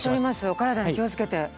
お体に気を付けて。